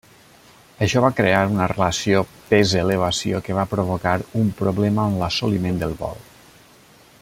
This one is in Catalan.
Això va crear una relació pes-elevació que va provocar un problema amb l'assoliment del vol.